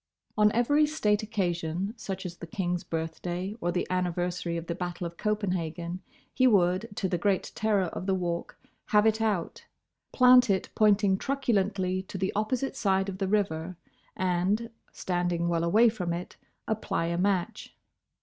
On every state occasion, such as the King's birthday, or the anniversary of the Battle of Copenhagen, he would, to the great terror of the Walk, have it out, plant it pointing truculently to the opposite side of the river and, standing well away from it, apply a match.